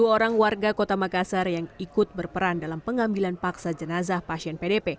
dua orang warga kota makassar yang ikut berperan dalam pengambilan paksa jenazah pasien pdp